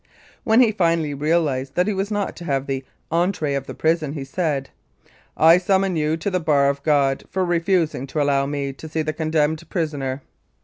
When he finally realised that he was not to have the entree of the prison, he said, " I summon you to the bar of God for refusing to allow me to see the condemned prisoner."